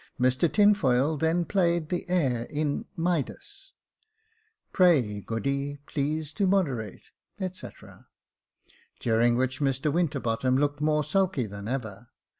Mr Tinfoil then played the air in " Midas —"" Pray Goody, please to moderate," &c. during which Mr Winterbottom looked more sulky than ever.